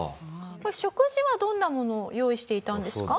これ食事はどんなものを用意していたんですか？